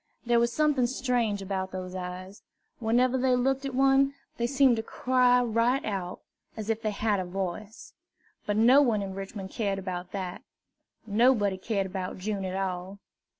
There was something strange about those eyes. Whenever they looked at one, they seemed to cry right out, as if they had a voice. But no one in Richmond cared about that. Nobody cared about June at all.